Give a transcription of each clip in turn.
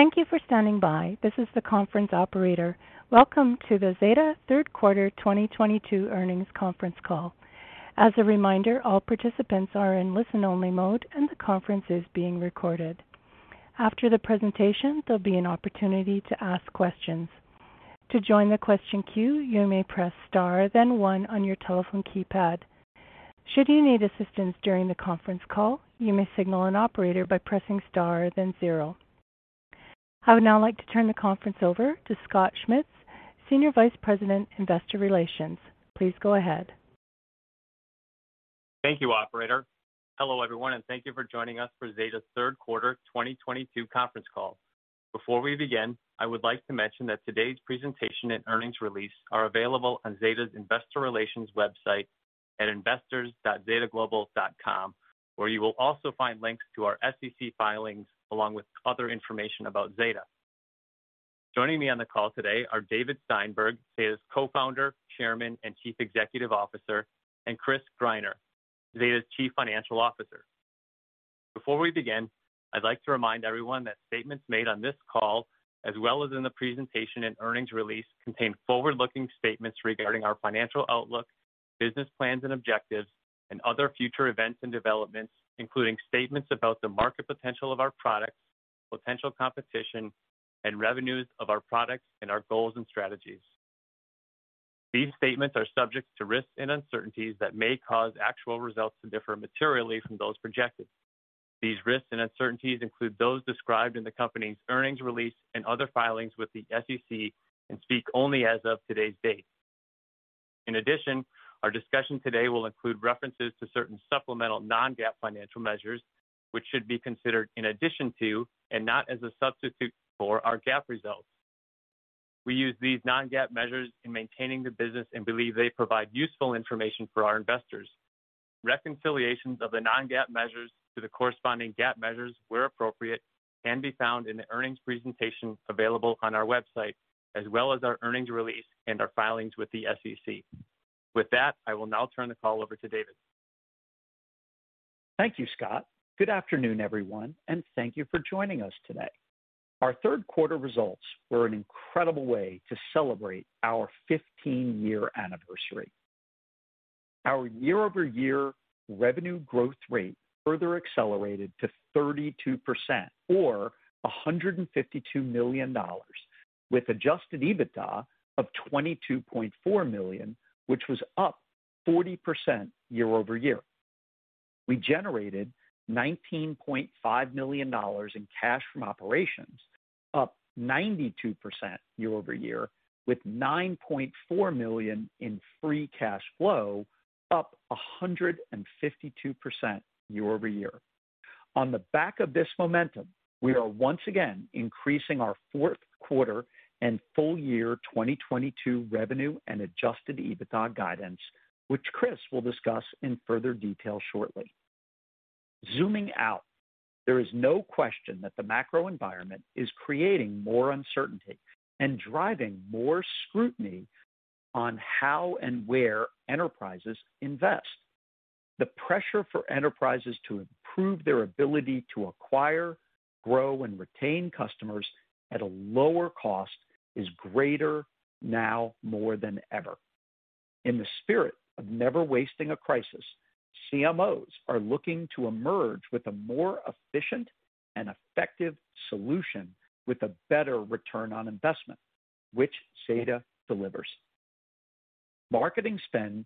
Thank you for standing by. This is the conference operator. Welcome to the Zeta third quarter 2022 earnings conference call. As a reminder, all participants are in listen-only mode, and the conference is being recorded. After the presentation, there'll be an opportunity to ask questions. To join the question queue, you may press star, then one on your telephone keypad. Should you need assistance during the conference call, you may signal an operator by pressing star, then zero. I would now like to turn the conference over to Scott Schmitz, Senior Vice President, Investor Relations. Please go ahead. Thank you, operator. Hello, everyone, and thank you for joining us for Zeta's third quarter 2022 conference call. Before we begin, I would like to mention that today's presentation and earnings release are available on Zeta's Investor Relations website at investors.zetaglobal.com, where you will also find links to our SEC filings along with other information about Zeta. Joining me on the call today are David Steinberg, Zeta's Co-founder, Chairman, and Chief Executive Officer, and Chris Greiner, Zeta's Chief Financial Officer. Before we begin, I'd like to remind everyone that statements made on this call, as well as in the presentation and earnings release, contain forward-looking statements regarding our financial outlook, business plans and objectives, and other future events and developments, including statements about the market potential of our products, potential competition, and revenues of our products, and our goals and strategies. These statements are subject to risks and uncertainties that may cause actual results to differ materially from those projected. These risks and uncertainties include those described in the company's earnings release and other filings with the SEC and speak only as of today's date. In addition, our discussion today will include references to certain supplemental non-GAAP financial measures, which should be considered in addition to and not as a substitute for our GAAP results. We use these non-GAAP measures in maintaining the business and believe they provide useful information for our investors. Reconciliations of the non-GAAP measures to the corresponding GAAP measures, where appropriate, can be found in the earnings presentation available on our website, as well as our earnings release and our filings with the SEC. With that, I will now turn the call over to David. Thank you, Scott. Good afternoon, everyone, and thank you for joining us today. Our third quarter results were an incredible way to celebrate our 15-year anniversary. Our year-over-year revenue growth rate further accelerated to 32% or $152 million, with adjusted EBITDA of $22.4 million, which was up 40% year-over-year. We generated $19.5 million in cash from operations, up 92% year-over-year, with $9.4 million in free cash flow, up 152% year-over-year. On the back of this momentum, we are once again increasing our fourth quarter and full year 2022 revenue and adjusted EBITDA guidance, which Chris will discuss in further detail shortly. Zooming out, there is no question that the macro environment is creating more uncertainty and driving more scrutiny on how and where enterprises invest. The pressure for enterprises to improve their ability to acquire, grow, and retain customers at a lower cost is greater now more than ever. In the spirit of never wasting a crisis, CMOs are looking to emerge with a more efficient and effective solution with a better return on investment, which Zeta delivers. Marketing spend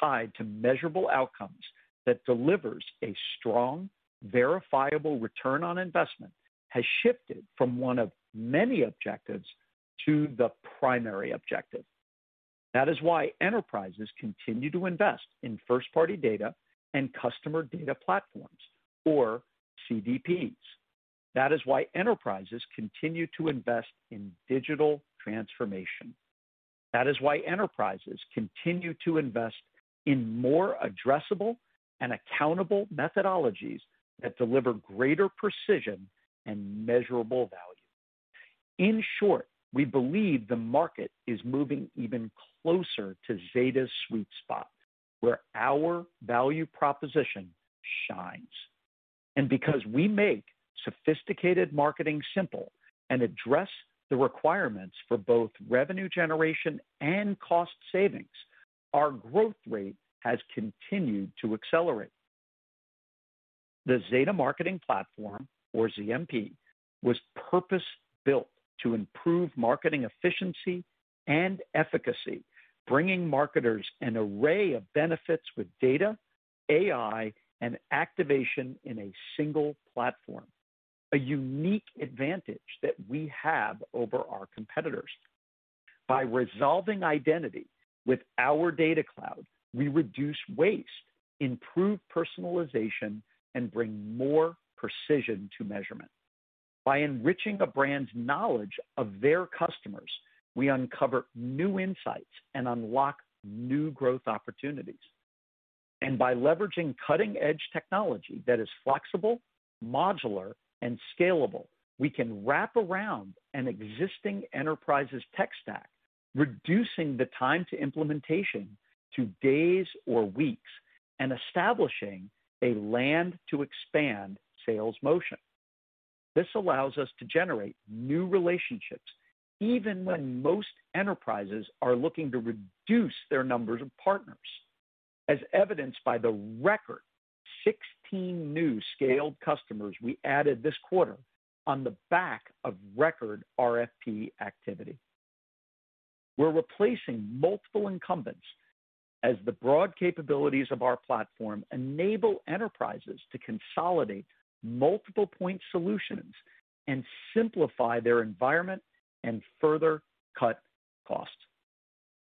tied to measurable outcomes that delivers a strong, verifiable return on investment has shifted from one of many objectives to the primary objective. That is why enterprises continue to invest in first-party data and customer data platforms or CDPs. That is why enterprises continue to invest in digital transformation. That is why enterprises continue to invest in more addressable and accountable methodologies that deliver greater precision and measurable value. In short, we believe the market is moving even closer to Zeta's sweet spot, where our value proposition shines. Because we make sophisticated marketing simple and address the requirements for both revenue generation and cost savings, our growth rate has continued to accelerate. The Zeta Marketing Platform, or ZMP, was purpose-built to improve marketing efficiency and efficacy, bringing marketers an array of benefits with data, AI, and activation in a single platform, a unique advantage that we have over our competitors. By resolving identity with our data cloud, we reduce waste, improve personalization, and bring more precision to measurement. By enriching a brand's knowledge of their customers, we uncover new insights and unlock new growth opportunities. By leveraging cutting-edge technology that is flexible, modular, and scalable, we can wrap around an existing enterprise's tech stack, reducing the time to implementation to days or weeks, establishing a land-and-expand sales motion. This allows us to generate new relationships even when most enterprises are looking to reduce their numbers of partners, as evidenced by the record 16 new scaled customers we added this quarter on the back of record RFP activity. We're replacing multiple incumbents as the broad capabilities of our platform enable enterprises to consolidate multiple point solutions and simplify their environment and further cut costs.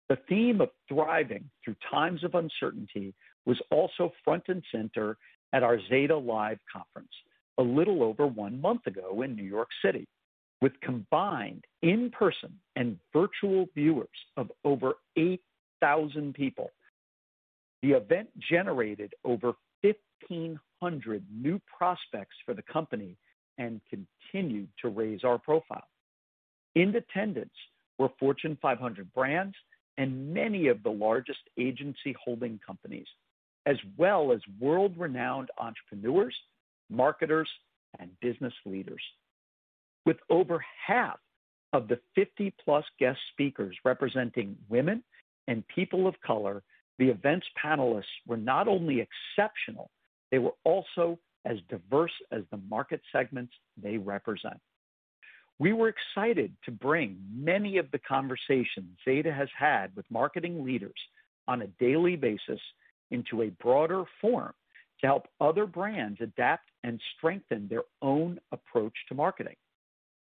The theme of thriving through times of uncertainty was also front and center at our Zeta Live conference a little over one month ago in New York City. With combined in-person and virtual viewers of over 8,000 people, the event generated over 1,500 new prospects for the company and continued to raise our profile. In attendance were Fortune 500 brands and many of the largest agency holding companies, as well as world-renowned entrepreneurs, marketers, and business leaders. With over half of the 50+ guest speakers representing women and people of color, the event's panelists were not only exceptional, they were also as diverse as the market segments they represent. We were excited to bring many of the conversations Zeta has had with marketing leaders on a daily basis into a broader forum to help other brands adapt and strengthen their own approach to marketing.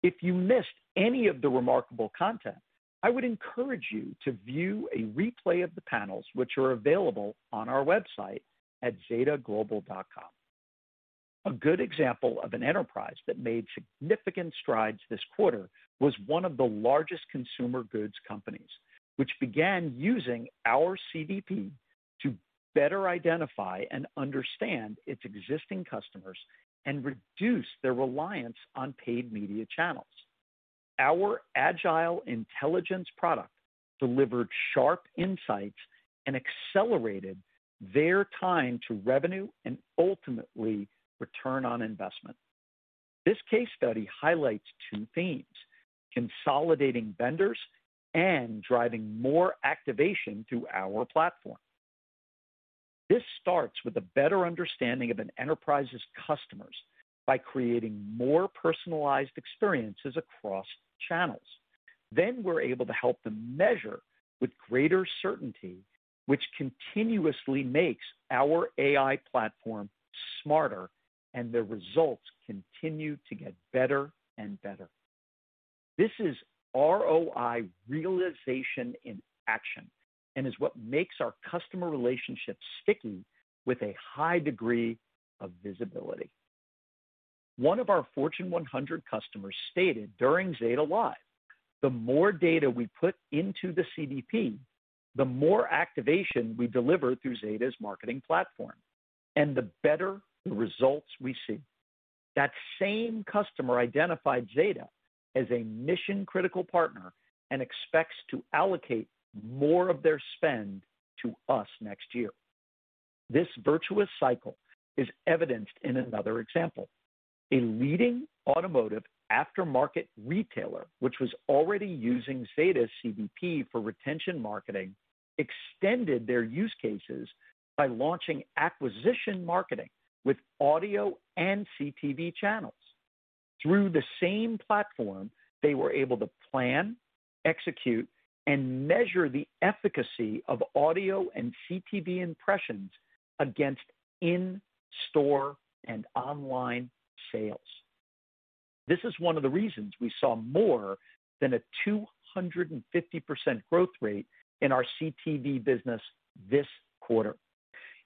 If you missed any of the remarkable content, I would encourage you to view a replay of the panels which are available on our website at zetaglobal.com. A good example of an enterprise that made significant strides this quarter was one of the largest consumer goods companies, which began using our CDP to better identify and understand its existing customers and reduce their reliance on paid media channels. Our Agile Intelligence product delivered sharp insights and accelerated their time to revenue and ultimately return on investment. This case study highlights two themes, consolidating vendors and driving more activation through our platform. This starts with a better understanding of an enterprise's customers by creating more personalized experiences across channels. We're able to help them measure with greater certainty, which continuously makes our AI platform smarter, and the results continue to get better and better. This is ROI realization in action and is what makes our customer relationships sticky with a high degree of visibility. One of our Fortune 100 customers stated during Zeta Live, "The more data we put into the CDP, the more activation we deliver through Zeta's Marketing Platform, and the better the results we see." That same customer identified Zeta as a mission-critical partner and expects to allocate more of their spend to us next year. This virtuous cycle is evidenced in another example. A leading automotive aftermarket retailer, which was already using Zeta's CDP for retention marketing, extended their use cases by launching acquisition marketing with audio and CTV channels. Through the same platform, they were able to plan, execute, and measure the efficacy of audio and CTV impressions against in-store and online sales. This is one of the reasons we saw more than a 250% growth rate in our CTV business this quarter,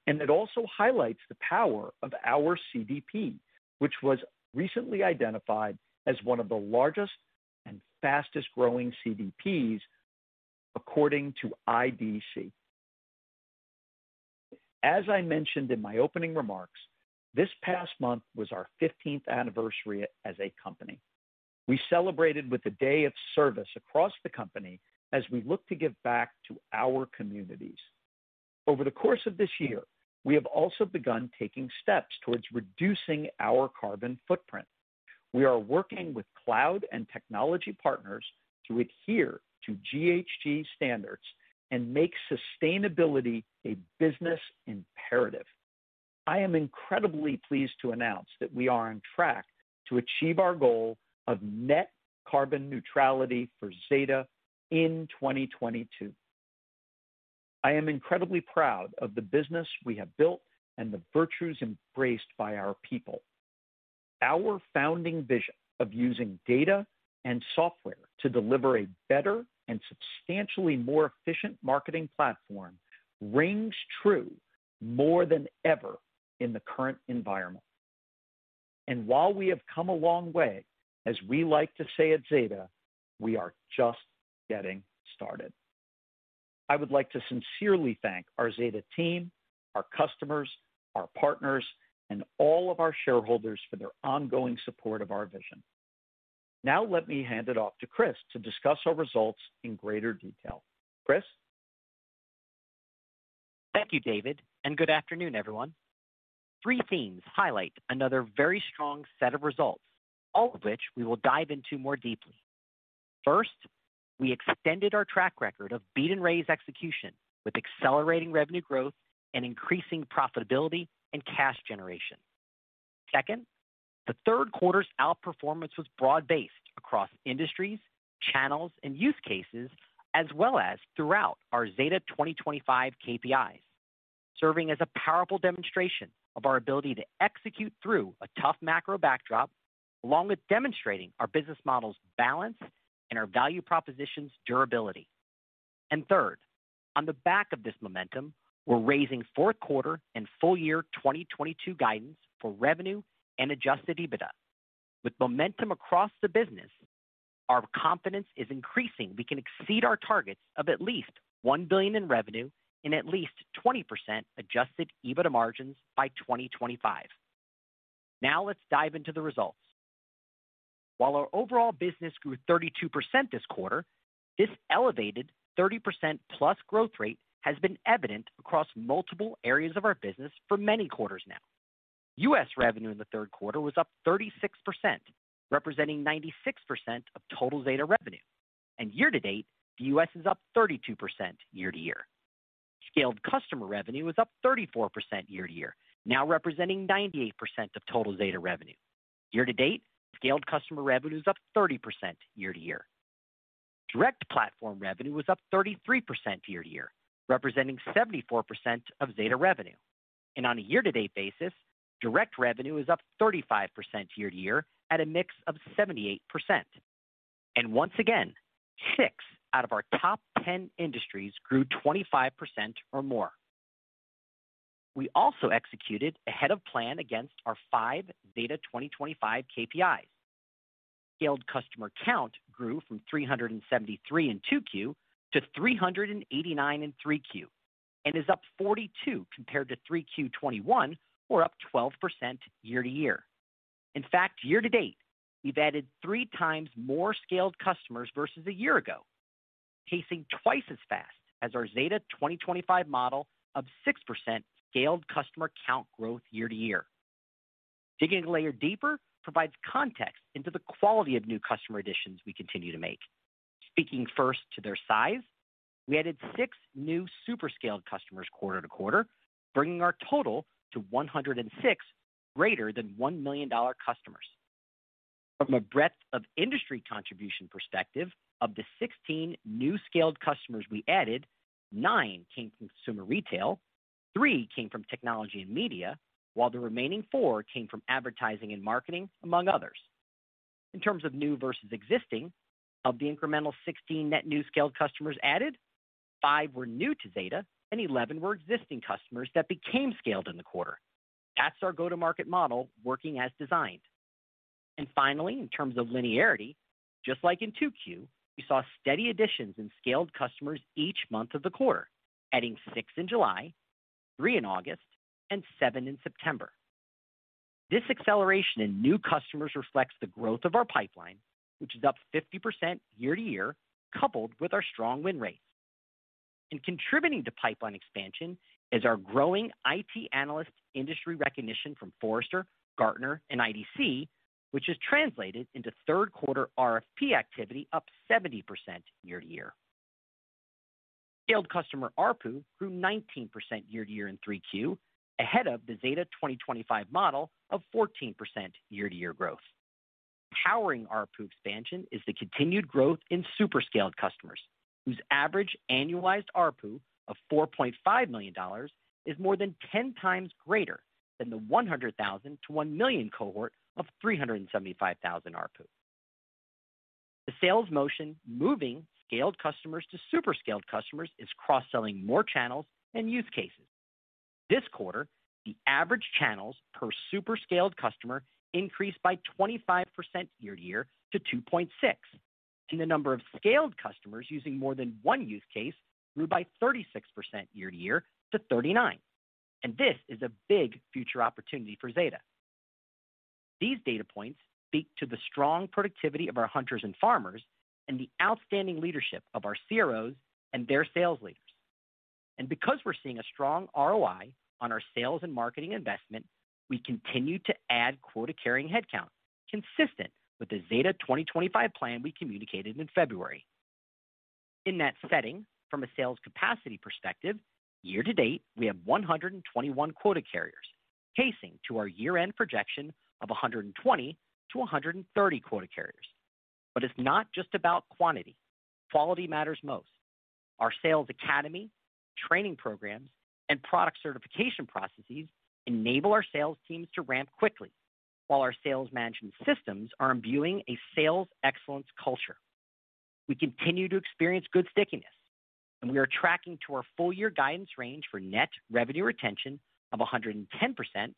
and it also highlights the power of our CDP, which was recently identified as one of the largest and fastest-growing CDPs according to IDC. As I mentioned in my opening remarks, this past month was our fifteenth anniversary as a company. We celebrated with a day of service across the company as we look to give back to our communities. Over the course of this year, we have also begun taking steps towards reducing our carbon footprint. We are working with cloud and technology partners to adhere to GHG standards and make sustainability a business imperative. I am incredibly pleased to announce that we are on track to achieve our goal of net carbon neutrality for Zeta in 2022. I am incredibly proud of the business we have built and the virtues embraced by our people. Our founding vision of using data and software to deliver a better and substantially more efficient marketing platform rings true more than ever in the current environment. While we have come a long way, as we like to say at Zeta, we are just getting started. I would like to sincerely thank our Zeta team, our customers, our partners, and all of our shareholders for their ongoing support of our vision. Now let me hand it off to Chris to discuss our results in greater detail. Chris? Thank you, David, and good afternoon, everyone. Three themes highlight another very strong set of results, all of which we will dive into more deeply. First, we extended our track record of beat and raise execution with accelerating revenue growth and increasing profitability and cash generation. Second, the third quarter's outperformance was broad-based across industries, channels, and use cases as well as throughout our Zeta 2025 KPIs, serving as a powerful demonstration of our ability to execute through a tough macro backdrop, along with demonstrating our business model's balance and our value proposition's durability. Third, on the back of this momentum, we're raising fourth quarter and full year 2022 guidance for revenue and adjusted EBITDA. With momentum across the business, our confidence is increasing, we can exceed our targets of at least $1 billion in revenue and at least 20% adjusted EBITDA margins by 2025. Now let's dive into the results. While our overall business grew 32% this quarter, this elevated 30%+ growth rate has been evident across multiple areas of our business for many quarters now. U.S. revenue in the third quarter was up 36%, representing 96% of total Zeta revenue. Year to date, the U.S. is up 32% year-to-year. Scaled customer revenue was up 34% year-to-year, now representing 98% of total Zeta revenue. Year-to-date, scaled customer revenue is up 30% year-to-year. Direct platform revenue was up 33% year-to-year, representing 74% of Zeta revenue. On a year-to-date basis, direct revenue was up 35% year-to-year at a mix of 78%. Once again, six out of our top 10 industries grew 25% or more. We also executed ahead of plan against our five Zeta 2025 KPIs. Scaled customer count grew from 373 in 2Q to 389 in 3Q, and is up 42 compared to 3Q 2021, or up 12% year-to-year. In fact, year-to-date, we've added 3x more scaled customers versus a year ago, pacing twice as fast as our Zeta 2025 model of 6% scaled customer count growth year-to-year. Digging a layer deeper provides context into the quality of new customer additions we continue to make. Speaking first to their size, we added six new super scaled customers quarter-to-quarter, bringing our total to 106 greater than $1 million customers. From a breadth of industry contribution perspective, of the 16 new scaled customers we added, nine came from consumer retail, three came from technology and media, while the remaining four came from advertising and marketing, among others. In terms of new versus existing, of the incremental 16 net new scaled customers added, five were new to Zeta and 11 were existing customers that became scaled in the quarter. That's our go-to-market model working as designed. Finally, in terms of linearity, just like in 2Q, we saw steady additions in scaled customers each month of the quarter, adding six in July, three in August, and seven in September. This acceleration in new customers reflects the growth of our pipeline, which is up 50% year-to-year, coupled with our strong win rates. Contributing to pipeline expansion is our growing IT analyst industry recognition from Forrester, Gartner, and IDC, which has translated into third quarter RFP activity up 70% year-to-year. Scaled customer ARPU grew 19% year-to-year in 3Q, ahead of the Zeta 2025 model of 14% year-to-year growth. Powering ARPU expansion is the continued growth in super scaled customers, whose average annualized ARPU of $4.5 million is more than 10x greater than the 100,000-1 million cohort of $375,000 ARPU. The sales motion moving scaled customers to super scaled customers is cross-selling more channels and use cases. This quarter, the average channels per super scaled customer increased by 25% year-to-year to 2.6, and the number of scaled customers using more than one use case grew by 36% year-to-year to 39%. This is a big future opportunity for Zeta. These data points speak to the strong productivity of our hunters and farmers and the outstanding leadership of our CROs and their sales leaders. Because we're seeing a strong ROI on our sales and marketing investment, we continue to add quota-carrying headcount consistent with the Zeta 2025 plan we communicated in February. In that setting, from a sales capacity perspective, year-to-date, we have 121 quota carriers, pacing to our year-end projection of 120-130 quota carriers. It's not just about quantity. Quality matters most. Our sales academy, training programs, and product certification processes enable our sales teams to ramp quickly, while our sales management systems are imbuing a sales excellence culture. We continue to experience good stickiness, and we are tracking to our full year guidance range for net revenue retention of 110%-115%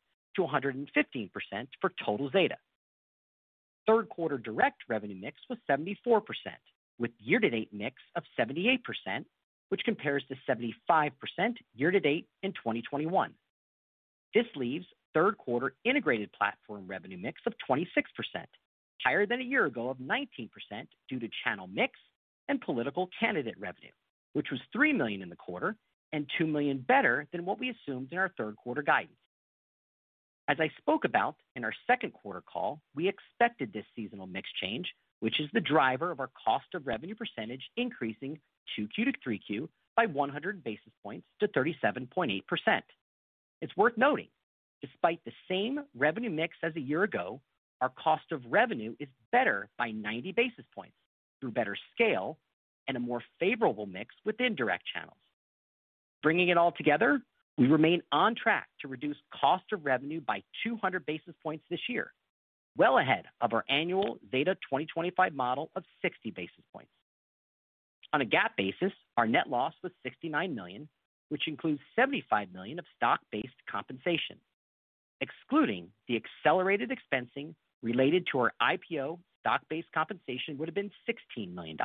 for total Zeta. Third quarter direct revenue mix was 74%, with year-to-date mix of 78%, which compares to 75% year to date in 2021. This leaves third quarter integrated platform revenue mix of 26%, higher than a year ago of 19% due to channel mix and political candidate revenue, which was $3 million in the quarter and $2 million better than what we assumed in our third quarter guidance. As I spoke about in our second quarter call, we expected this seasonal mix change, which is the driver of our cost of revenue percentage increasing 2Q to 3Q by 100 basis points to 37.8%. It's worth noting, despite the same revenue mix as a year ago, our cost of revenue is better by 90 basis points through better scale and a more favorable mix within direct channels. Bringing it all together, we remain on track to reduce cost of revenue by 200 basis points this year, well ahead of our annual Zeta 2025 model of 60 basis points. On a GAAP basis, our net loss was $69 million, which includes $75 million of stock-based compensation. Excluding the accelerated expensing related to our IPO, stock-based compensation would have been $16 million.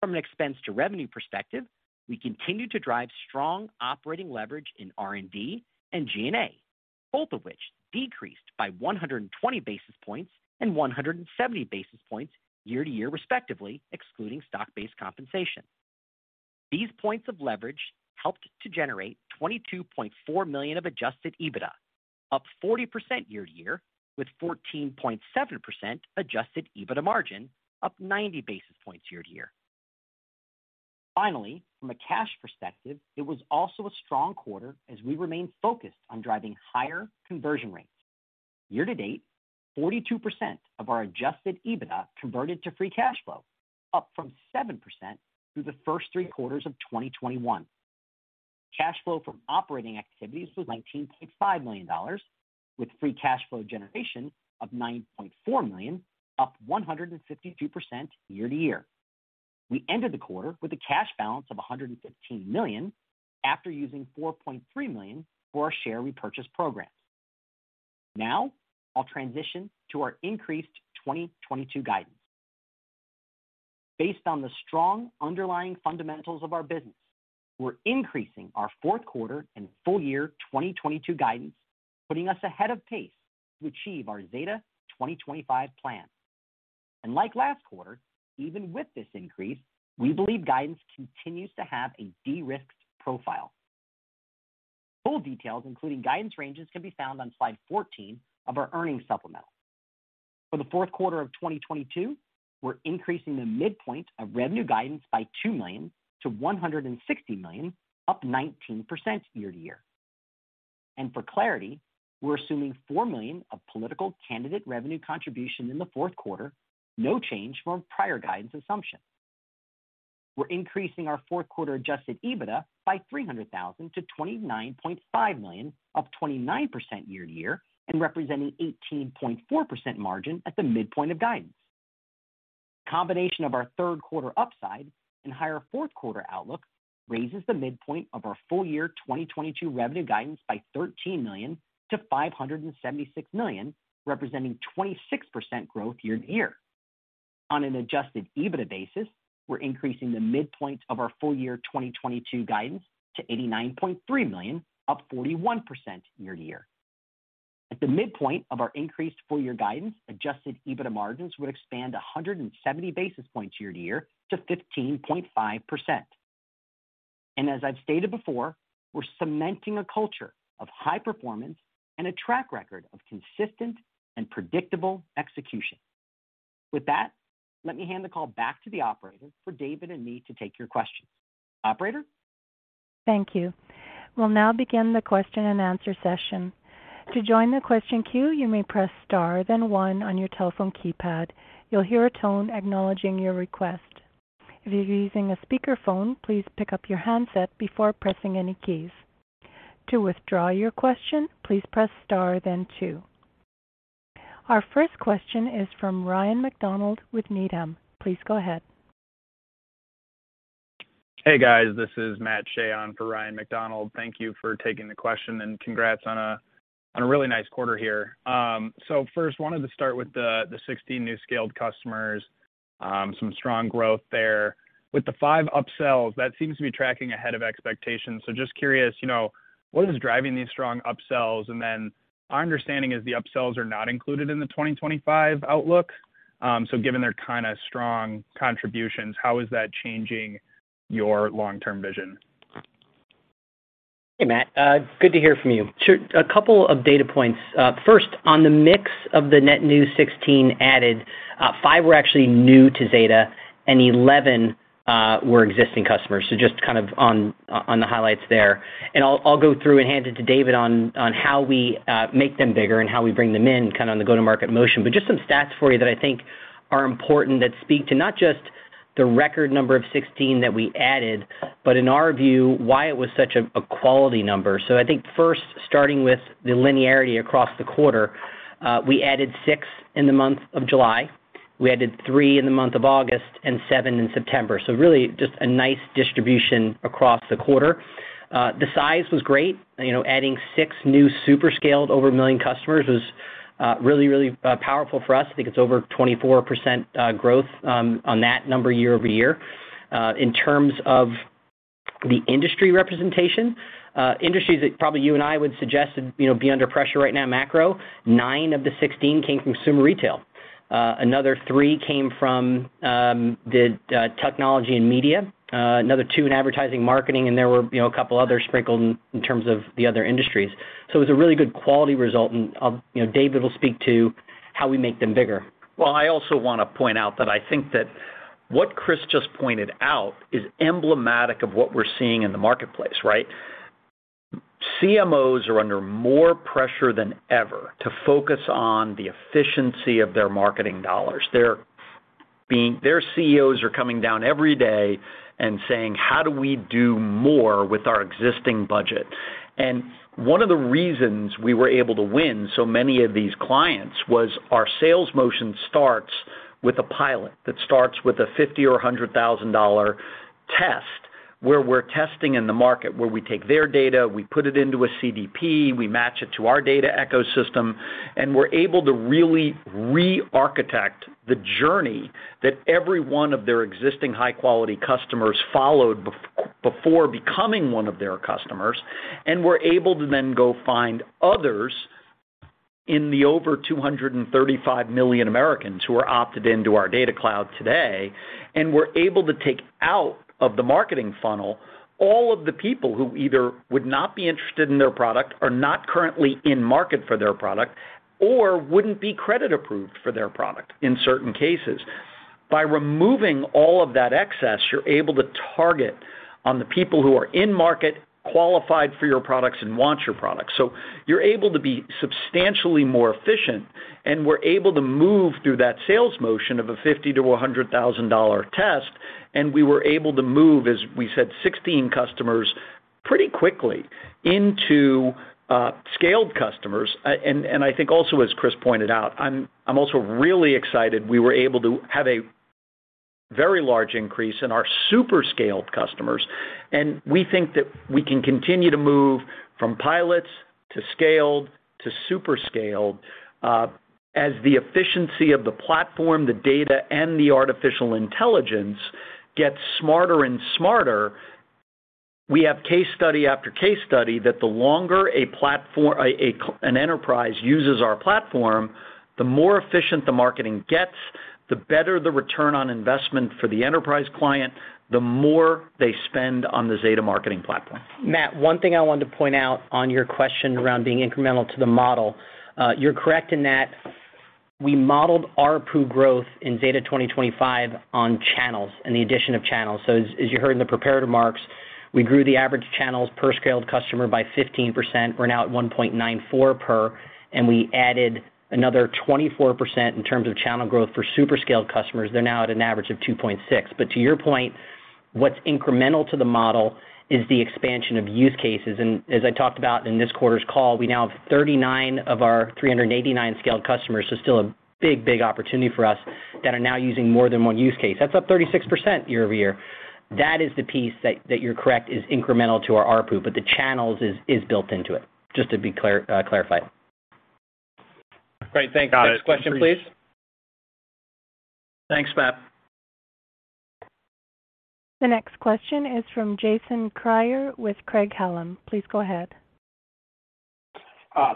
From an expense to revenue perspective, we continue to drive strong operating leverage in R&D and G&A, both of which decreased by 120 basis points and 170 basis points year-over-year, respectively, excluding stock-based compensation. These points of leverage helped to generate $22.4 million of adjusted EBITDA, up 40% year-to-year, with 14.7% adjusted EBITDA margin, up 90 basis points year-to-year. Finally, from a cash perspective, it was also a strong quarter as we remained focused on driving higher conversion rates. Year-to-date, 42% of our adjusted EBITDA converted to free cash flow, up from 7% through the first three quarters of 2021. Cash flow from operating activities was $19.5 million, with free cash flow generation of $9.4 million, up 152% year-to-year. We ended the quarter with a cash balance of $115 million after using $4.3 million for our share repurchase programs. Now I'll transition to our increased 2022 guidance. Based on the strong underlying fundamentals of our business, we're increasing our fourth quarter and full year 2022 guidance, putting us ahead of pace to achieve our Zeta 2025 plan. Like last quarter, even with this increase, we believe guidance continues to have a de-risked profile. Full details, including guidance ranges, can be found on slide 14 of our earnings supplemental. For the fourth quarter of 2022, we're increasing the midpoint of revenue guidance by $2 million to $160 million, up 19% year-to-year. For clarity, we're assuming $4 million of political candidate revenue contribution in the fourth quarter, no change from prior guidance assumption. We're increasing our fourth quarter adjusted EBITDA by $300,000 to $29.5 million, up 29% year-to-year, and representing 18.4% margin at the midpoint of guidance. The combination of our third quarter upside and higher fourth quarter outlook raises the midpoint of our full year 2022 revenue guidance by $13 million to $576 million, representing 26% growth year-to-year. On an adjusted EBITDA basis, we're increasing the midpoint of our full year 2022 guidance to $89.3 million, up 41% year-to-year. At the midpoint of our increased full year guidance, adjusted EBITDA margins would expand 170 basis points year-to-year to 15.5%. As I've stated before, we're cementing a culture of high performance and a track record of consistent and predictable execution. With that, let me hand the call back to the operator for David and me to take your questions. Operator? Thank you. We'll now begin the question-and-answer session. To join the question queue, you may press star then one on your telephone keypad. You'll hear a tone acknowledging your request. If you're using a speakerphone, please pick up your handset before pressing any keys. To withdraw your question, please press star then two. Our first question is from Ryan MacDonald with Needham. Please go ahead. Hey, guys, this is Matt Shea on for Ryan MacDonald. Thank you for taking the question and congrats on a really nice quarter here. First wanted to start with the 16 new scaled customers, some strong growth there. With the five upsells, that seems to be tracking ahead of expectations. Just curious, you know, what is driving these strong upsells? Then our understanding is the upsells are not included in the 2025 outlook. Given their kind of strong contributions, how is that changing your long-term vision? Hey, Matt, good to hear from you. Sure. A couple of data points. First, on the mix of the net new 16 added, five were actually new to Zeta and 11 were existing customers. Just to kind of on the highlights there. I'll go through and hand it to David on how we make them bigger and how we bring them in, kind of on the go-to-market motion. Just some stats for you that I think are important that speak to not just the record number of 16 that we added, but in our view, why it was such a quality number. I think first, starting with the linearity across the quarter, we added six in the month of July. We added three in the month of August and seven in September. Really just a nice distribution across the quarter. The size was great. You know, adding six new super scaled over 1 million customers was really powerful for us. I think it's over 24% growth on that number year-over-year. In terms of the industry representation, industries that probably you and I would suggest that, you know, be under pressure right now macro, nine of the 16 came from consumer retail. Another three came from technology and media, another two in advertising marketing, and there were, you know, a couple other sprinkled in terms of the other industries. It was a really good quality result and I'll. You know, David will speak to how we make them bigger. Well, I also wanna point out that I think that what Chris just pointed out is emblematic of what we're seeing in the marketplace, right? CMOs are under more pressure than ever to focus on the efficiency of their marketing dollars. Their CEOs are coming down every day and saying, "How do we do more with our existing budget?" One of the reasons we were able to win so many of these clients was our sales motion starts with a pilot that starts with a $50,000 or $100,000 test, where we're testing in the market, where we take their data, we put it into a CDP, we match it to our data ecosystem, and we're able to really re-architect the journey that every one of their existing high-quality customers followed before becoming one of their customers, and we're able to then go find others in the over 235 million Americans who are opted into our data cloud today, and we're able to take out of the marketing funnel all of the people who either would not be interested in their product or not currently in market for their product, or wouldn't be credit approved for their product in certain cases. By removing all of that excess, you're able to target on the people who are in market, qualified for your products, and want your products. You're able to be substantially more efficient, and we're able to move through that sales motion of a $50,000-$100,000 test, and we were able to move, as we said, 16 customers pretty quickly into scaled customers. I think also, as Chris pointed out, I'm also really excited we were able to have a very large increase in our super scaled customers. We think that we can continue to move from pilots to scaled to super scaled, as the efficiency of the platform, the data, and the artificial intelligence gets smarter and smarter. We have case study after case study that the longer an enterprise uses our platform, the more efficient the marketing gets, the better the return on investment for the enterprise client, the more they spend on the Zeta Marketing Platform. Matt, one thing I wanted to point out on your question around being incremental to the model. You're correct in that we modeled our upside growth in Zeta 2025 on channels and the addition of channels. You heard in the prepared remarks, we grew the average channels per scaled customer by 15%. We're now at 1.94 per, and we added another 24% in terms of channel growth for super scaled customers. They're now at an average of 2.6. To your point, what's incremental to the model is the expansion of use cases. As I talked about in this quarter's call, we now have 39 of our 389 scaled customers, still a big, big opportunity for us, that are now using more than one use case. That's up 36% year-over-year. That is the piece that you're correct is incremental to our ARPU, but the channels is built into it, just to be clarified. Great. Thanks. Next question, please. Thanks, Matt. The next question is from Jason Kreyer with Craig-Hallum. Please go ahead.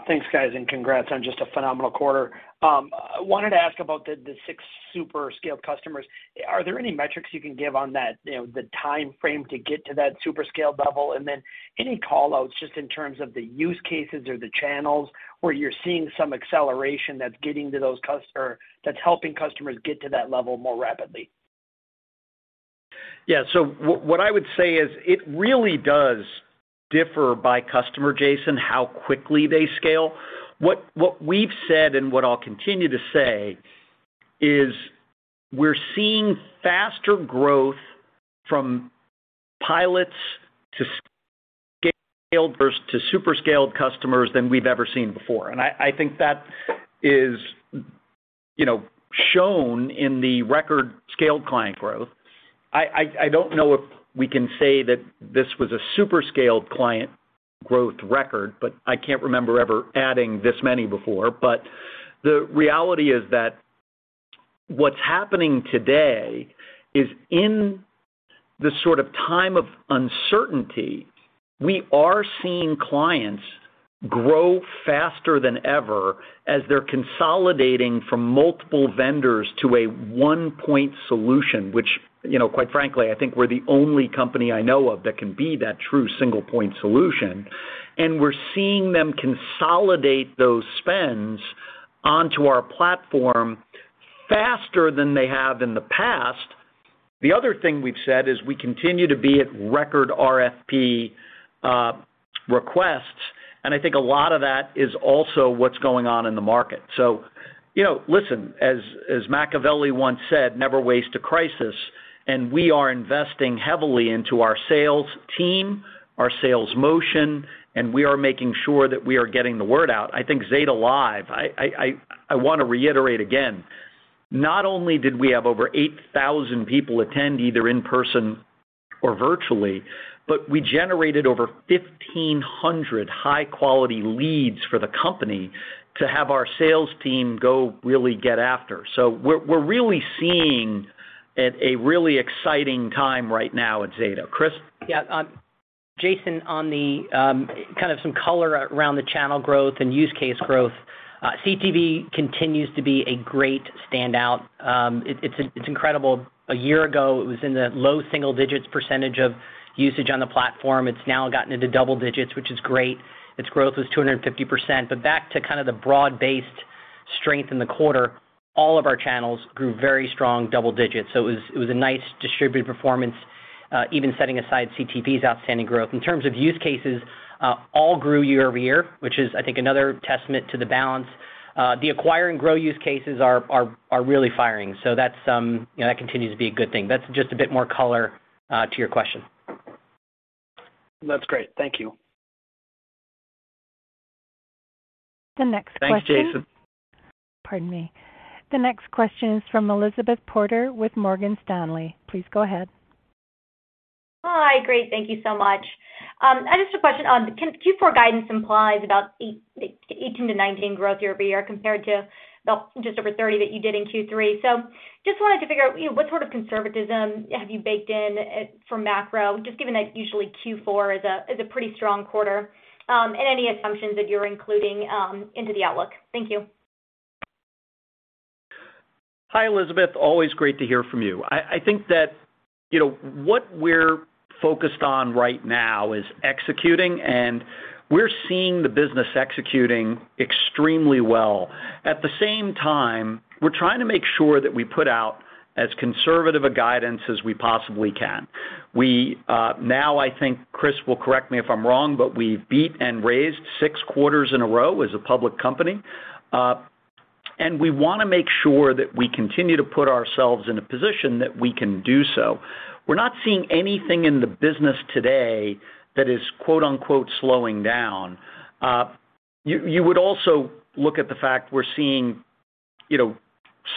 Thanks, guys, and congrats on just a phenomenal quarter. I wanted to ask about the six super scaled customers. Are there any metrics you can give on that, you know, the timeframe to get to that super scaled level? Then any callouts just in terms of the use cases or the channels where you're seeing some acceleration that's helping customers get to that level more rapidly? Yeah. What I would say is it really does differ by customer, Jason, how quickly they scale. What we've said and what I'll continue to say is we're seeing faster growth from pilots to scaled versus to super scaled customers than we've ever seen before. I don't know if we can say that this was a super scaled client growth record, but I can't remember ever adding this many before. The reality is that what's happening today is in the sort of time of uncertainty, we are seeing clients grow faster than ever as they're consolidating from multiple vendors to a one-point solution, which, you know, quite frankly, I think we're the only company I know of that can be that true single point solution. We're seeing them consolidate those spends onto our platform faster than they have in the past. The other thing we've said is we continue to be at record RFP requests, and I think a lot of that is also what's going on in the market. You know, listen, as Machiavelli once said, "Never waste a crisis." We are investing heavily into our sales team, our sales motion, and we are making sure that we are getting the word out. I think Zeta Live, I wanna reiterate again, not only did we have over 8,000 people attend either in person or virtually, but we generated over 1,500 high-quality leads for the company to have our sales team go really get after. We're really seeing a really exciting time right now at Zeta. Chris? Yeah. Jason, on the kind of some color around the channel growth and use case growth, CTV continues to be a great standout. It's incredible. A year ago, it was in the low single digits percentage of usage on the platform. It's now gotten into double digits, which is great. Its growth was 250%. Back to kind of the broad-based strength in the quarter, all of our channels grew very strong double digits. It was a nice distributed performance, even setting aside CTV's outstanding growth. In terms of use cases, all grew year-over-year, which is I think another testament to the balance. The acquire and grow use cases are really firing. That's, you know, that continues to be a good thing. That's just a bit more color to your question. That's great. Thank you. The next question. Thanks, Jason. Pardon me. The next question is from Elizabeth Porter with Morgan Stanley. Please go ahead. Hi. Great. Thank you so much. I just have a question on Q4 guidance. It implies about 8%-19% growth year-over-year compared to about just over 30% that you did in Q3. I just wanted to figure out, you know, what sort of conservatism have you baked in for macro, just given that usually Q4 is a pretty strong quarter, and any assumptions that you're including into the outlook. Thank you. Hi, Elizabeth. Always great to hear from you. I think that, you know, what we're focused on right now is executing, and we're seeing the business executing extremely well. At the same time, we're trying to make sure that we put out as conservative a guidance as we possibly can. I think Chris will correct me if I'm wrong, but we've beat and raised six quarters in a row as a public company. We wanna make sure that we continue to put ourselves in a position that we can do so. We're not seeing anything in the business today that is quote-unquote slowing down. You would also look at the fact we're seeing, you know,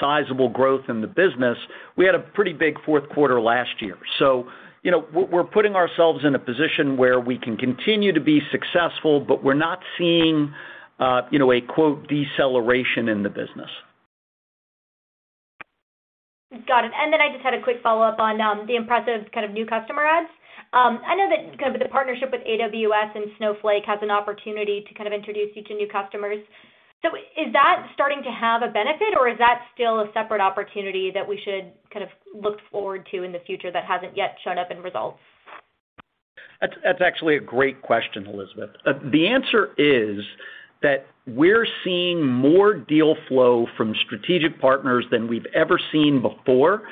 sizable growth in the business. We had a pretty big fourth quarter last year. You know, we're putting ourselves in a position where we can continue to be successful, but we're not seeing, you know, a quote deceleration in the business. Got it. I just had a quick follow-up on the impressive kind of new customer adds. I know that kind of the partnership with AWS and Snowflake has an opportunity to kind of introduce you to new customers. Is that starting to have a benefit, or is that still a separate opportunity that we should kind of look forward to in the future that hasn't yet shown up in results? That's actually a great question, Elizabeth. The answer is that we're seeing more deal flow from strategic partners than we've ever seen before.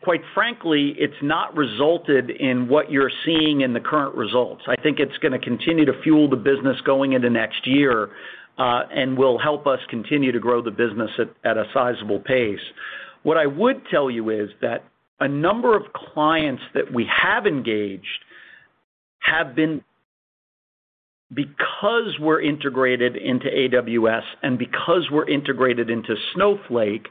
Quite frankly, it's not resulted in what you're seeing in the current results. I think it's gonna continue to fuel the business going into next year, and will help us continue to grow the business at a sizable pace. What I would tell you is that a number of clients that we have engaged have been because we're integrated into AWS and because we're integrated into Snowflake,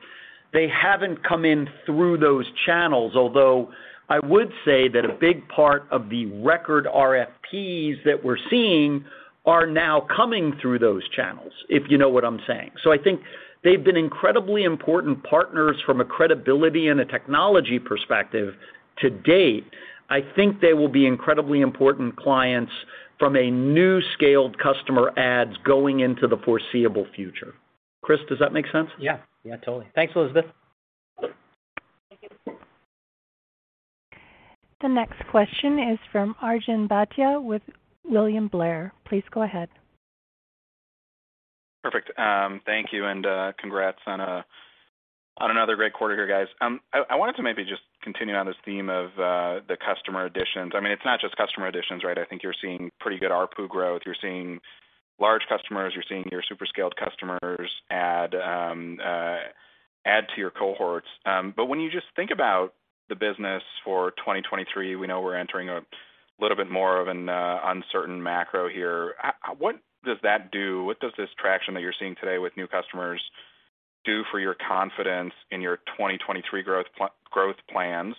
they haven't come in through those channels. Although, I would say that a big part of the record RFPs that we're seeing are now coming through those channels, if you know what I'm saying. I think they've been incredibly important partners from a credibility and a technology perspective to date. I think they will be incredibly important clients from a new scaled customer adds going into the foreseeable future. Chris, does that make sense? Yeah. Yeah, totally. Thanks, Elizabeth. Thank you. The next question is from Arjun Bhatia with William Blair. Please go ahead. Perfect. Thank you, and congrats on another great quarter here, guys. I wanted to maybe just continue on this theme of the customer additions. I mean, it's not just customer additions, right? I think you're seeing pretty good ARPU growth. You're seeing large customers. You're seeing your super scaled customers add to your cohorts. But when you just think about the business for 2023, we know we're entering a little bit more of an uncertain macro here. What does that do? What does this traction that you're seeing today with new customers do for your confidence in your 2023 growth plans?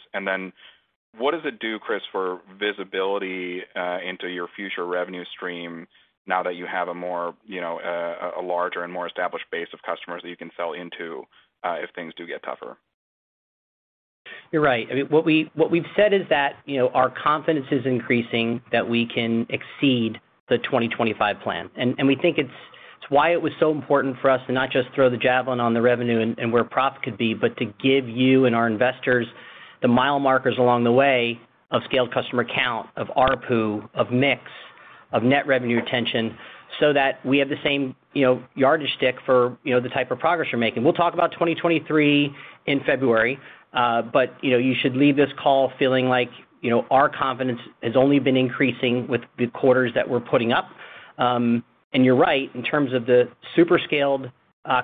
What does it do, Chris, for visibility into your future revenue stream now that you have a more, you know, a larger and more established base of customers that you can sell into if things do get tougher? You're right. I mean, what we've said is that, you know, our confidence is increasing that we can exceed the 2025 plan. We think it's why it was so important for us to not just throw the javelin on the revenue and where profit could be, but to give you and our investors the mile markers along the way of scaled customer count, of ARPU, of mix, of net revenue retention, so that we have the same, you know, yardstick for, you know, the type of progress you're making. We'll talk about 2023 in February, but, you know, you should leave this call feeling like, you know, our confidence has only been increasing with the quarters that we're putting up. You're right, in terms of the super scaled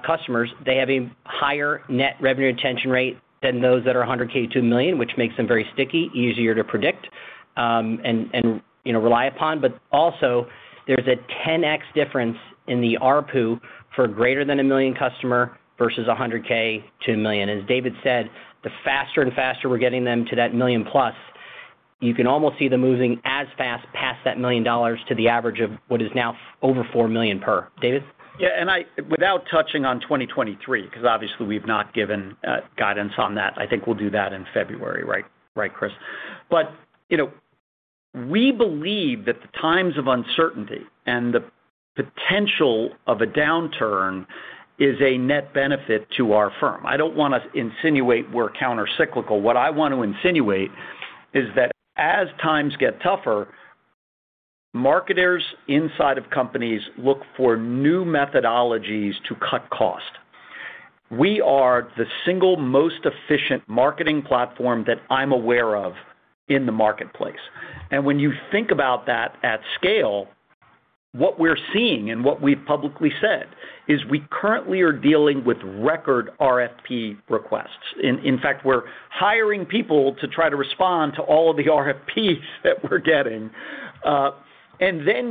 customers, they have a higher net revenue retention rate than those that are $100,000 to $1 million, which makes them very sticky, easier to predict, you know, rely upon, but also there's a 10x difference in the ARPU for greater than $1 million customer versus $100k to $1 million. As David said, the faster and faster we're getting them to that $1 million+, you can almost see them moving as fast past that $1 million to the average of what is now over $4 million per. David. Yeah. Without touching on 2023, 'cause obviously we've not given guidance on that. I think we'll do that in February, right, Chris. You know, we believe that the times of uncertainty and the potential of a downturn is a net benefit to our firm. I don't wanna insinuate we're countercyclical. What I want to insinuate is that as times get tougher, marketers inside of companies look for new methodologies to cut cost. We are the single most efficient marketing platform that I'm aware of in the marketplace. When you think about that at scale, what we're seeing and what we've publicly said is we currently are dealing with record RFP requests. In fact, we're hiring people to try to respond to all of the RFPs that we're getting.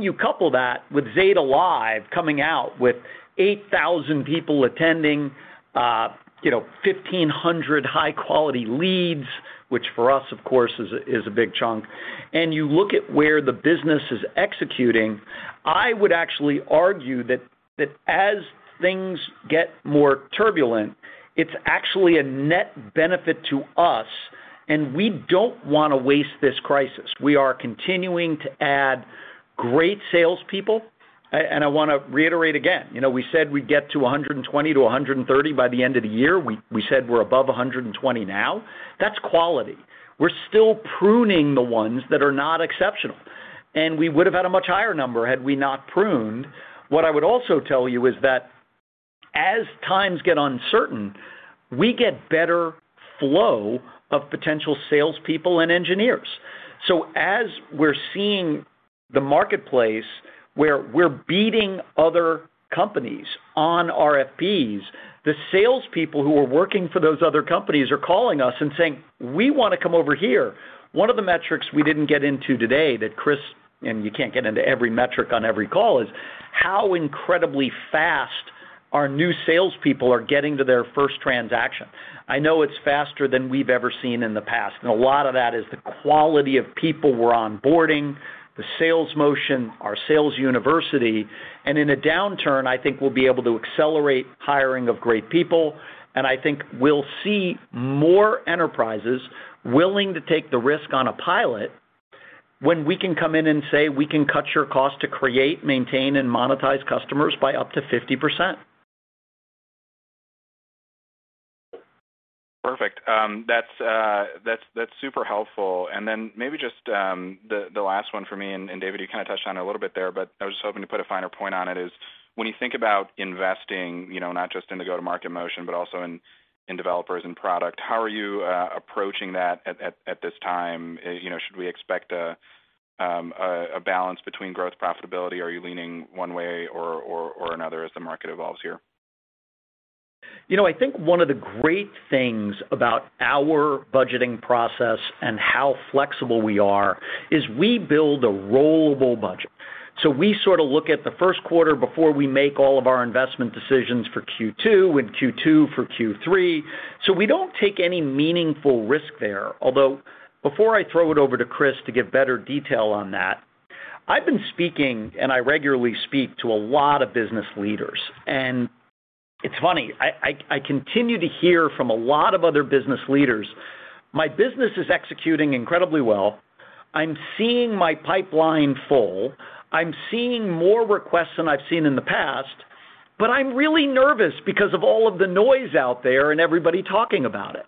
You couple that with Zeta Live coming out with 8,000 people attending, you know, 1,500 high quality leads, which for us of course is a big chunk, and you look at where the business is executing. I would actually argue that as things get more turbulent, it's actually a net benefit to us, and we don't wanna waste this crisis. We are continuing to add great salespeople. I wanna reiterate again, you know, we said we'd get to 120-130 by the end of the year. We said we're above 120 now. That's quality. We're still pruning the ones that are not exceptional. We would've had a much higher number had we not pruned. What I would also tell you is that as times get uncertain, we get better flow of potential salespeople and engineers. As we're seeing the marketplace, where we're beating other companies on RFPs, the salespeople who are working for those other companies are calling us and saying, "We wanna come over here." One of the metrics we didn't get into today that Chris, and you can't get into every metric on every call, is how incredibly fast our new salespeople are getting to their first transaction. I know it's faster than we've ever seen in the past, and a lot of that is the quality of people we're onboarding, the sales motion, our sales university. In a downturn, I think we'll be able to accelerate hiring of great people, and I think we'll see more enterprises willing to take the risk on a pilot when we can come in and say, "We can cut your cost to create, maintain, and monetize customers by up to 50%." Perfect. That's super helpful. Then maybe just the last one for me, and David, you kinda touched on it a little bit there, but I was hoping to put a finer point on it, is when you think about investing, you know, not just in the go-to-market motion, but also in developers and product, how are you approaching that at this time? You know, should we expect a balance between growth profitability? Are you leaning one way or another as the market evolves here? You know, I think one of the great things about our budgeting process and how flexible we are is we build a rollable budget. We sorta look at the first quarter before we make all of our investment decisions for Q2, when Q2 for Q3. We don't take any meaningful risk there. Although, before I throw it over to Chris to give better detail on that, I've been speaking, and I regularly speak to a lot of business leaders. It's funny, I continue to hear from a lot of other business leaders, "My business is executing incredibly well. I'm seeing my pipeline full. I'm seeing more requests than I've seen in the past, but I'm really nervous because of all of the noise out there and everybody talking about it."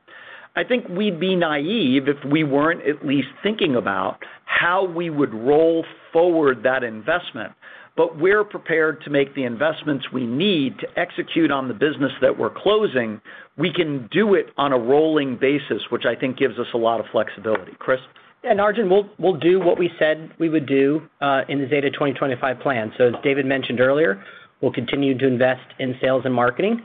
I think we'd be naive if we weren't at least thinking about how we would roll forward that investment. We're prepared to make the investments we need to execute on the business that we're closing. We can do it on a rolling basis, which I think gives us a lot of flexibility. Chris? Yeah, Arjun, we'll do what we said we would do in the Zeta 2025 plan. As David mentioned earlier, we'll continue to invest in sales and marketing.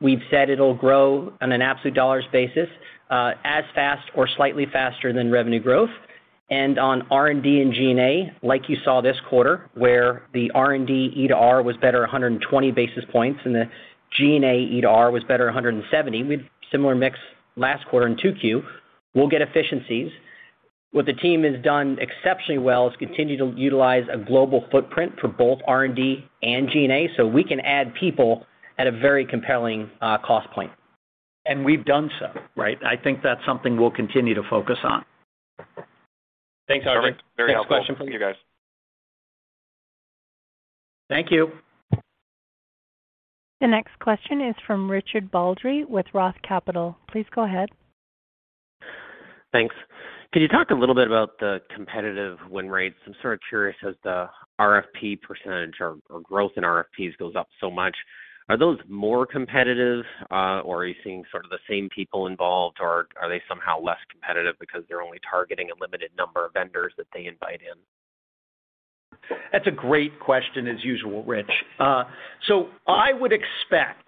We've said it'll grow on an absolute dollars basis as fast or slightly faster than revenue growth. On R&D and G&A, like you saw this quarter, where the R&D ETR was better 100 basis points and the G&A ETR was better 170, we had similar mix last quarter in 2Q. We'll get efficiencies. What the team has done exceptionally well is continue to utilize a global footprint for both R&D and G&A, so we can add people at a very compelling cost point. We've done so, right? I think that's something we'll continue to focus on. Thanks, Arjun. Perfect. Very helpful. Next question please. Thank you. The next question is from Richard Baldry with Roth Capital. Please go ahead. Thanks. Could you talk a little bit about the competitive win rates? I'm sort of curious as the RFP percentage or growth in RFPs goes up so much, are those more competitive, or are you seeing sort of the same people involved, or are they somehow less competitive because they're only targeting a limited number of vendors that they invite in? That's a great question as usual, Rich. I would expect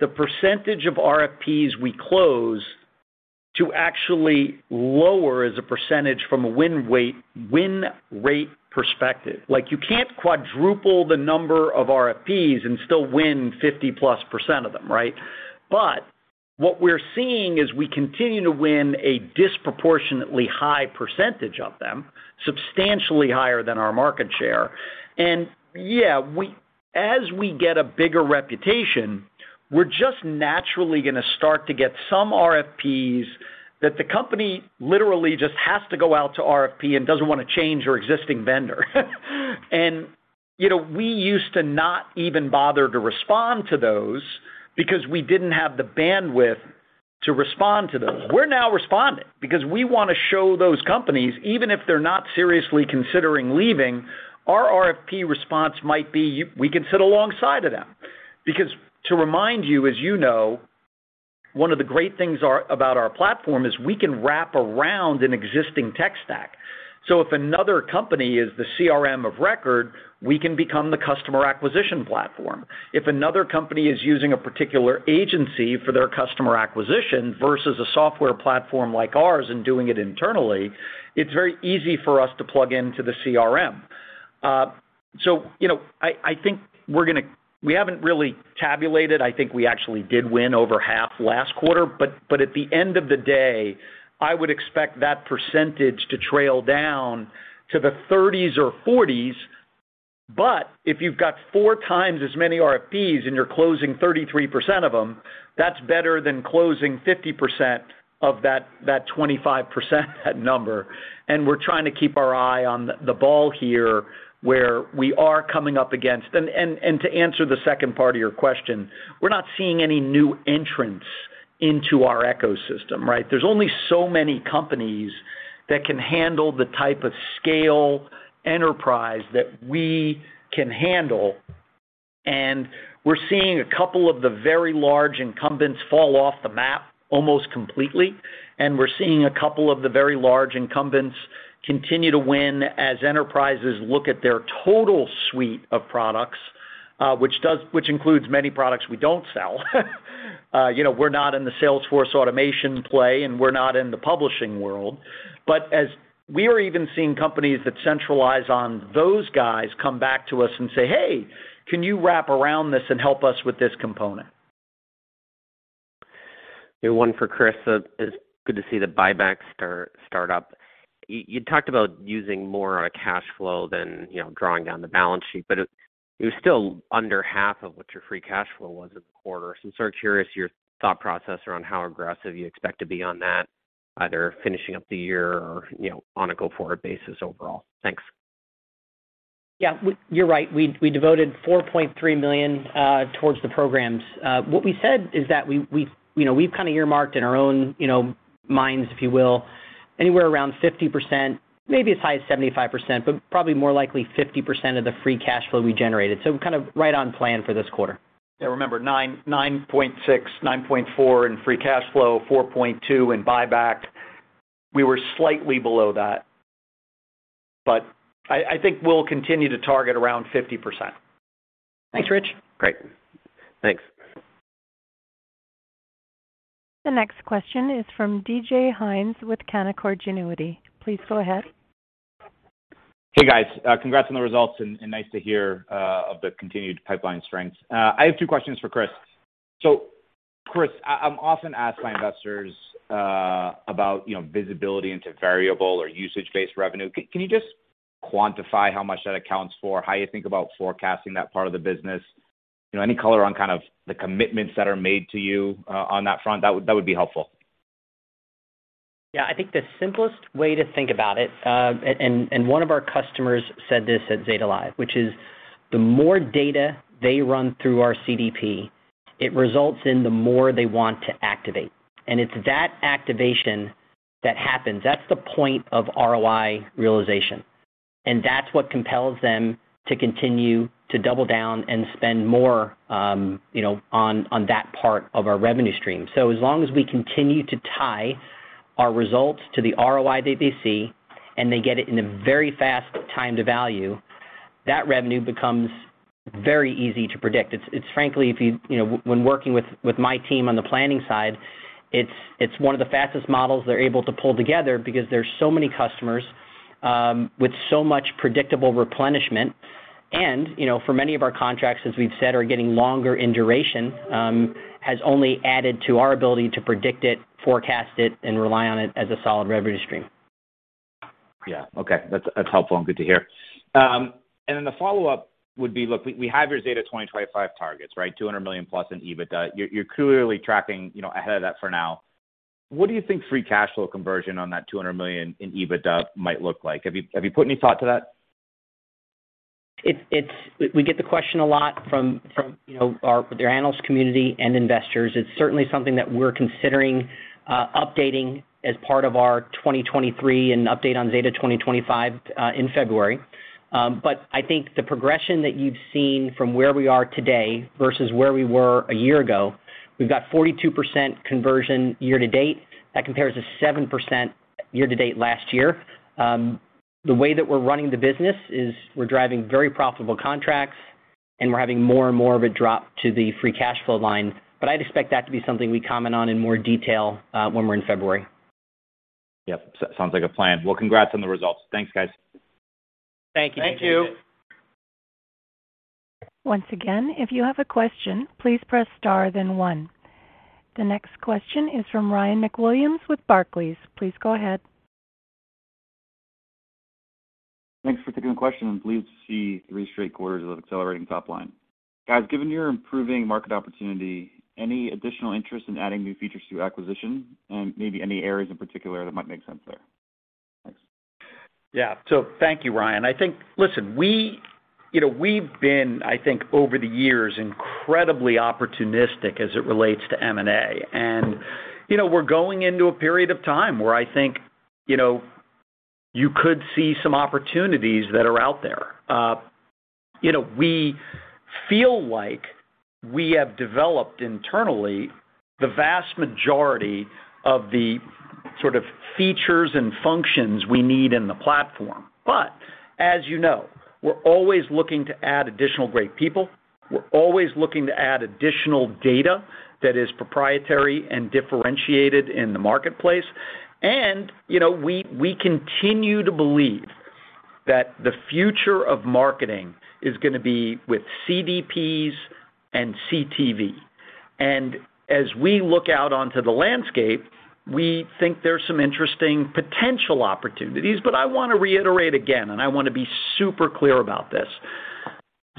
the percentage of RFPs we close to actually lower as a percentage from a win rate perspective. Like, you can't quadruple the number of RFPs and still win 50%+ of them, right? What we're seeing is we continue to win a disproportionately high percentage of them, substantially higher than our market share. Yeah, as we get a bigger reputation, we're just naturally gonna start to get some RFPs that the company literally just has to go out to RFP and doesn't wanna change their existing vendor. You know, we used to not even bother to respond to those because we didn't have the bandwidth to respond to those. We're now responding because we wanna show those companies, even if they're not seriously considering leaving, our RFP response might be we can sit alongside of them. To remind you, as you know, one of the great things about our platform is we can wrap around an existing tech stack. If another company is the CRM of record, we can become the customer acquisition platform. If another company is using a particular agency for their customer acquisition versus a software platform like ours and doing it internally, it's very easy for us to plug into the CRM. You know, I think we're gonna. We haven't really tabulated. I think we actually did win over half last quarter. At the end of the day, I would expect that percentage to trail down to the 30s or 40s. If you've got 4x as many RFPs and you're closing 33% of them, that's better than closing 50% of that 25%, that number. We're trying to keep our eye on the ball here, where we are coming up against. To answer the second part of your question, we're not seeing any new entrants into our ecosystem, right? There's only so many companies that can handle the type of enterprise scale that we can handle, and we're seeing a couple of the very large incumbents fall off the map almost completely, and we're seeing a couple of the very large incumbents continue to win as enterprises look at their total suite of products, which includes many products we don't sell. You know, we're not in the sales force automation play, and we're not in the publishing world. We are even seeing companies that centralize on those guys come back to us and say, "Hey, can you wrap around this and help us with this component?" One for Chris. It's good to see the buyback start up. You talked about using more on a cash flow than, you know, drawing down the balance sheet, but it was still under half of what your free cash flow was this quarter. I'm sort of curious your thought process around how aggressive you expect to be on that, either finishing up the year or, you know, on a go-forward basis overall. Thanks. Yeah. You're right. We devoted $4.3 million towards the programs. What we said is that we, you know, we've kind of earmarked in our own, you know, minds, if you will, anywhere around 50%, maybe as high as 75%, but probably more likely 50% of the free cash flow we generated. We're kind of right on plan for this quarter. Yeah. Remember $9.6 million, $9.4 million in free cash flow, $4.2 million in buyback. We were slightly below that. I think we'll continue to target around 50%. Thanks, Rich. Great. Thanks. The next question is from David Hynes with Canaccord Genuity. Please go ahead. Hey, guys. Congrats on the results and nice to hear of the continued pipeline strengths. I have two questions for Chris. Chris, I'm often asked by investors about, you know, visibility into variable or usage-based revenue. Can you just quantify how much that accounts for, how you think about forecasting that part of the business? You know, any color on kind of the commitments that are made to you on that front, that would be helpful. Yeah. I think the simplest way to think about it, and one of our customers said this at Zeta Live, which is the more data they run through our CDP, it results in the more they want to activate. It's that activation that happens. That's the point of ROI realization, and that's what compels them to continue to double down and spend more, you know, on that part of our revenue stream. As long as we continue to tie our results to the ROI that they see, and they get it in a very fast time to value, that revenue becomes very easy to predict. It's frankly, when working with my team on the planning side, it's one of the fastest models they're able to pull together because there's so many customers with so much predictable replenishment. You know, for many of our contracts, as we've said, are getting longer in duration has only added to our ability to predict it, forecast it, and rely on it as a solid revenue stream. Yeah. Okay. That's helpful and good to hear. The follow-up would be, look, we have your Zeta 2025 targets, right? $200 million+ in EBITDA. You're clearly tracking, you know, ahead of that for now. What do you think free cash flow conversion on that $200 million in EBITDA might look like? Have you put any thought to that? It's We get the question a lot from you know, the analyst community and investors. It's certainly something that we're considering updating as part of our 2023 annual update on Zeta 2025 in February. I think the progression that you've seen from where we are today versus where we were a year ago. We've got 42% conversion year-to-date. That compares to 7% year-to-date last year. The way that we're running the business is we're driving very profitable contracts, and we're having more and more of a drop to the free cash flow line. I'd expect that to be something we comment on in more detail when we're in February. Yep. Sounds like a plan. Well, congrats on the results. Thanks, guys. Thank you. Thank you. Once again, if you have a question, please press star then one. The next question is from Ryan MacWilliams with Barclays. Please go ahead. Thanks for taking the question. Pleased to see three straight quarters of accelerating top line. Guys, given your improving market opportunity, any additional interest in adding new features to acquisition? Maybe any areas in particular that might make sense there? Thanks. Yeah. Thank you, Ryan. I think. You know, we've been, I think, over the years, incredibly opportunistic as it relates to M&A. You know, we're going into a period of time where I think, you know, you could see some opportunities that are out there. You know, we feel like we have developed internally the vast majority of the sort of features and functions we need in the platform. But as you know, we're always looking to add additional great people. We're always looking to add additional data that is proprietary and differentiated in the marketplace. You know, we continue to believe that the future of marketing is gonna be with CDPs and CTV. As we look out onto the landscape, we think there's some interesting potential opportunities. I wanna reiterate again, and I wanna be super clear about this.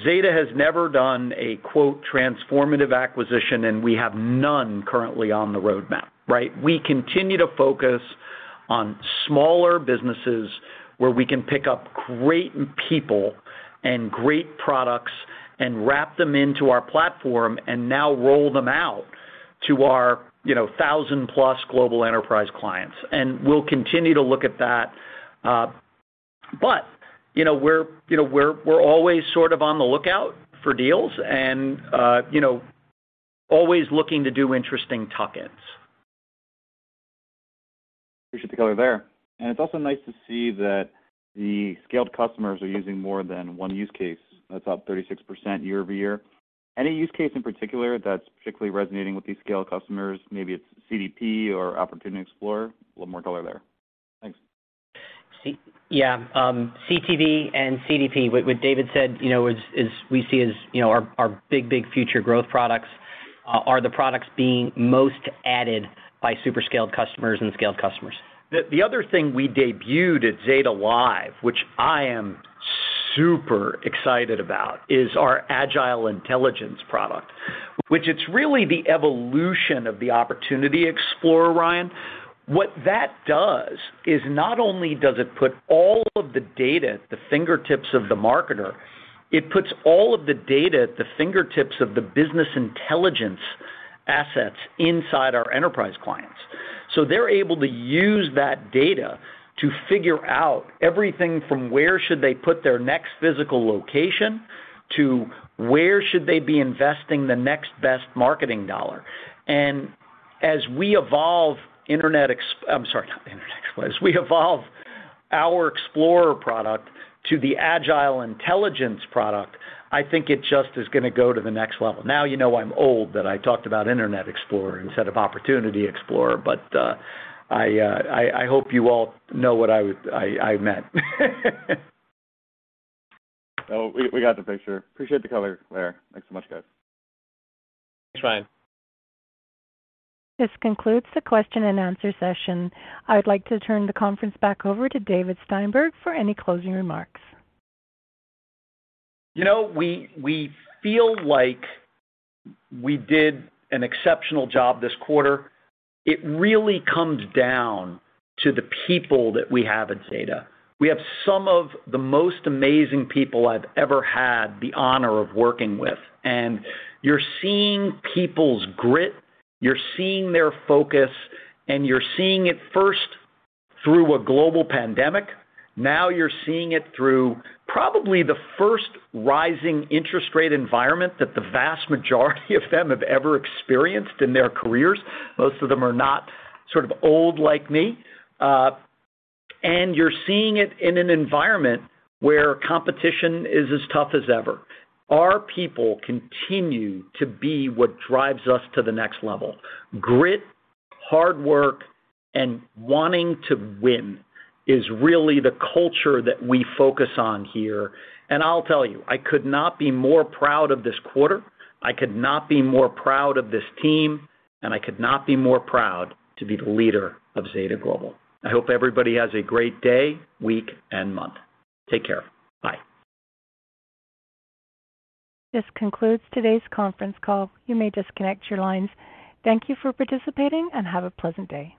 Zeta has never done a quote transformative acquisition, and we have none currently on the roadmap, right? We continue to focus on smaller businesses where we can pick up great people and great products and wrap them into our platform and now roll them out to our, you know, 1000+ global enterprise clients. We'll continue to look at that. You know, we're always sort of on the lookout for deals and, you know, always looking to do interesting tuck-ins. Appreciate the color there. It's also nice to see that the scaled customers are using more than one use case. That's up 36% year-over-year. Any use case in particular that's particularly resonating with these scaled customers? Maybe it's CDP or Opportunity Explorer. A little more color there. Thanks. Yeah, CTV and CDP, what David said, you know, is we see as, you know, our big future growth products are the products being most added by super scaled customers and scaled customers. The other thing we debuted at Zeta Live, which I am super excited about, is our Agile Intelligence product, which it's really the evolution of the Opportunity Explorer, Ryan. What that does is not only does it put all of the data at the fingertips of the marketer, it puts all of the data at the fingertips of the business intelligence assets inside our enterprise clients. So they're able to use that data to figure out everything from where should they put their next physical location to where should they be investing the next best marketing dollar. As we evolve our Explorer product to the Agile Intelligence product, I think it just is gonna go to the next level. Now you know why I'm old, that I talked about Internet Explorer instead of Opportunity Explorer, but I hope you all know what I meant. No, we got the picture. Appreciate the color there. Thanks so much, guys. Thanks, Ryan. This concludes the question and answer session. I would like to turn the conference back over to David Steinberg for any closing remarks. You know, we feel like we did an exceptional job this quarter. It really comes down to the people that we have at Zeta. We have some of the most amazing people I've ever had the honor of working with. You're seeing people's grit, you're seeing their focus, and you're seeing it first through a global pandemic. Now you're seeing it through probably the first rising interest rate environment that the vast majority of them have ever experienced in their careers. Most of them are not sort of old like me. You're seeing it in an environment where competition is as tough as ever. Our people continue to be what drives us to the next level. Grit, hard work, and wanting to win is really the culture that we focus on here. I'll tell you, I could not be more proud of this quarter, I could not be more proud of this team, and I could not be more proud to be the leader of Zeta Global. I hope everybody has a great day, week, and month. Take care. Bye. This concludes today's conference call. You may disconnect your lines. Thank you for participating, and have a pleasant day.